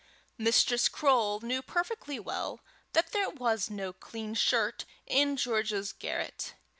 Mistress Croale knew perfectly that there was no clean shirt in George's garret.